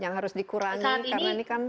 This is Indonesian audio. yang harus dikurangi saat ini karena ini kan